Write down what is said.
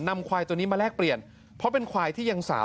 ควายตัวนี้มาแลกเปลี่ยนเพราะเป็นควายที่ยังสาว